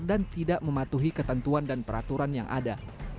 dan tidak mematuhi ketentuan dan peraturan yang ada